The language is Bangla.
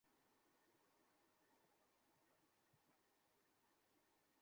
গণিত বিভাগের একাধিক শিক্ষক বললেন, আগে বিএসসি তৃতীয় বর্ষের শিক্ষার্থীরা ক্লাসে আসতেন না।